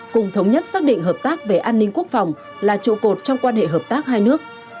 cùng thống nhất xác định hợp tác về an ninh quốc phòng là trụ cột trong quan hệ hợp tác hai nước